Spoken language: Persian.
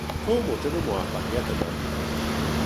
تو موجب موفقیت من بودی.